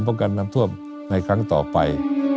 กันน้ำท่วมในครั้งต่อไป